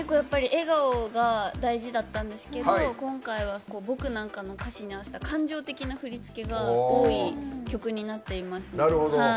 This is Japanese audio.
笑顔が大事だと思ったんですけど「僕なんか」の歌詞に合わせた感情的な振り付けが多い曲になっています。